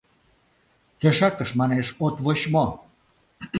— Тӧшакыш, манеш, от воч мо?